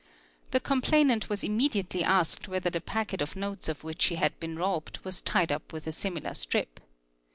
'' The complainant vas immediately asked whether the packet of notes of which she had een robbed was tied up with a similar strip.